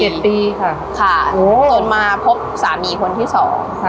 เจ็ดปีค่ะค่ะโหวอไม่พบสามีคนที่สองค่ะ